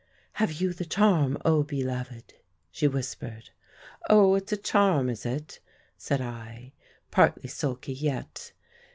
"'Have you the charm, O beloved?' she whispered. "'Oh, it's a charm, is it?' said I, partly sulky yet.